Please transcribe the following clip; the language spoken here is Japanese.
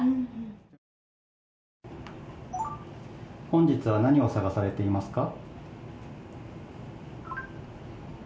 本日は何を探されていますか？